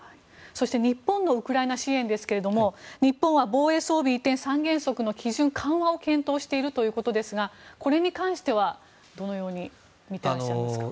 そして日本のウクライナ支援ですが日本は防衛装備移転三原則の緩和を検討しているということですがこれに関してはどのように見てらっしゃいますか？